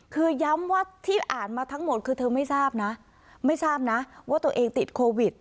คือย้ำว่าที่อ่านมาทั้งหมดคือเธอไม่ทราบนะไม่ทราบนะว่าตัวเองติดโควิด